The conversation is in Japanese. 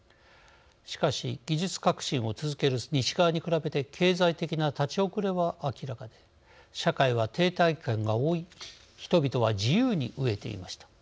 しかし、技術革新を続ける西側に比べて経済的な立ち遅れは明らかで社会は停滞感が覆い人々は自由に飢えていました。